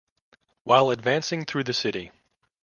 While advancing through the city.